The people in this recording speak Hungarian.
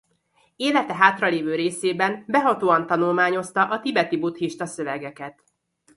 Élete hátralevő részében behatóan tanulmányozta a tibeti buddhista szövegeket.